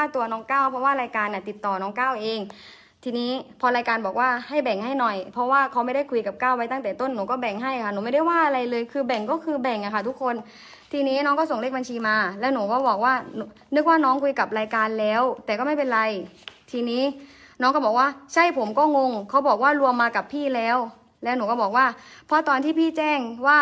ทีนี้พอรายการบอกว่าให้แบ่งให้หน่อยเพราะว่าเขาไม่ได้คุยกับก้าวไว้ตั้งแต่ต้นหนูก็แบ่งให้ค่ะหนูไม่ได้ว่าอะไรเลยคือแบ่งก็คือแบ่งอะค่ะทุกคนทีนี้น้องก็ส่งเลขบัญชีมาแล้วหนูก็บอกว่านึกว่าน้องคุยกับรายการแล้วแต่ก็ไม่เป็นไรทีนี้น้องก็บอกว่าใช่ผมก็งงเขาบอกว่ารวมมากับพี่แล้วแล้วหนูก็บอกว่